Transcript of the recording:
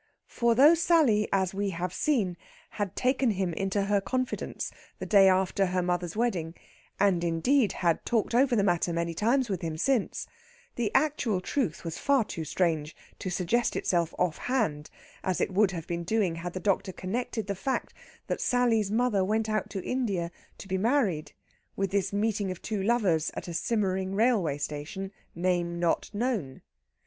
For though Sally, as we have seen, had taken him into her confidence the day after her mother's wedding and, indeed, had talked over the matter many times with him since the actual truth was far too strange to suggest itself offhand, as it would have been doing had the doctor connected the fact that Sally's mother went out to India to be married with this meeting of two lovers at a simmering railway station, name not known.